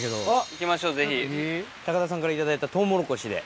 行きましょうぜひ田さんから頂いたトウモロコシで。